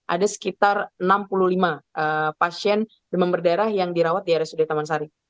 ada sekitar enam puluh lima pasien demam berdarah yang dirawat di rsud taman sari